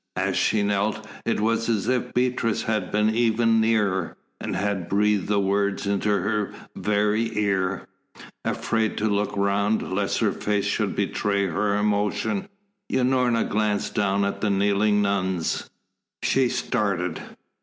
As she knelt, it was as if Beatrice had been even nearer, and had breathed the words into her very ear. Afraid to look round, lest her face should betray her emotion, Unorna glanced down at the kneeling nuns. She started.